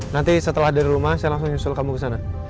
nanti setelah dari rumah saya langsung nyusul kamu ke sana